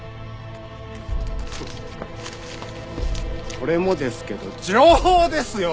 これもですけど情報ですよ！